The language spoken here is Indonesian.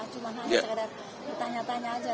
cuman hanya sekadar ditanya tanya aja